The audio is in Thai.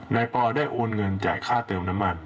ปอได้โอนเงินจ่ายค่าเติมน้ำมัน